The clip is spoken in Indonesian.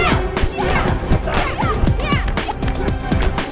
lainnya kaki saya gak bisa digerakkan